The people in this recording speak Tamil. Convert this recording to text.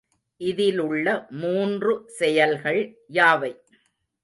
இதிலுள்ள மூன்று செயல்கள் யாவை?